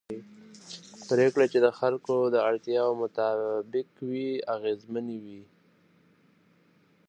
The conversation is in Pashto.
پرېکړې چې د خلکو د اړتیاوو مطابق وي اغېزمنې وي